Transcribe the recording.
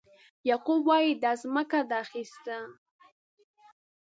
یعقوب وایي دا ځمکه ده اخیستې.